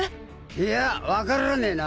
いや分からねえな。